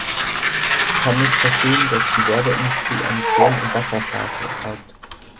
Ich kann nicht verstehen, dass die Werbeindustrie einen Sturm im Wasserglas betreibt.